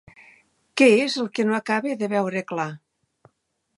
Què és el que no acaba de veure clar?